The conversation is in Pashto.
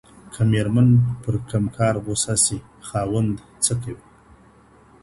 که ميرمن پر کوم کار غصه سي خاوند څه کوي؟